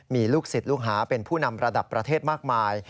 มีลูกศิษย์ลูกหาเป็นผู้นำระดับประเทศมากมาย